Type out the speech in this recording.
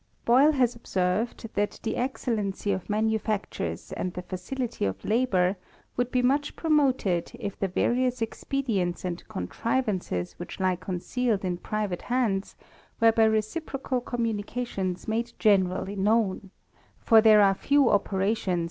"DOYLE has observed, that the excellency of manu ^ factures and the facility of labour would be much promoted, if the various expedients and contrivances which lie concealed in private hands, were by reciprocal communi cations made generally known ; for there are few operations * Note XVI., Appendix. THE RAMBLER.